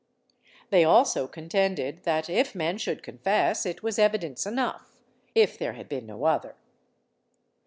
They also contended that, if men should confess, it was evidence enough, if there had been no other.